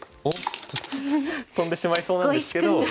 おっとトンでしまいそうなんですけど。